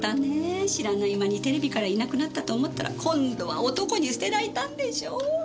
知らない間にテレビからいなくなったと思ったら今度は男に捨てられたんでしょ？